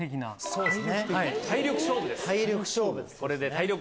そうです。